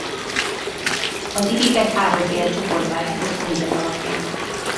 Az igéket háromféle csoportba lehet osztani ez alapján.